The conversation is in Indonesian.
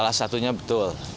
salah satunya betul